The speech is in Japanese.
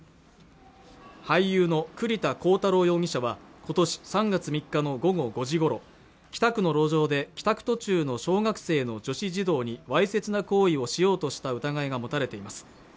俳優の栗田浩太郎容疑者は今年３月３日の午後５時ごろ北区の路上で帰宅途中の小学生の女子児童にわいせつな行為をしようとした疑いが持たれています